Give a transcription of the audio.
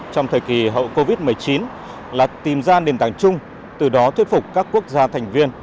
trong thời kỳ hậu covid một mươi chín là tìm ra nền tảng chung từ đó thuyết phục các quốc gia thành viên